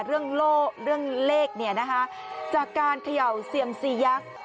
เรื่องโล่เรื่องเลขจากการเขย่าเสียมซียักษ์